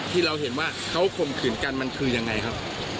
ที่เราเห็นว่าเขาข่มขืนกันมันคือยังไงครับ